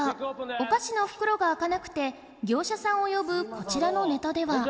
お菓子の袋が開かなくて業者さんを呼ぶこちらのネタでは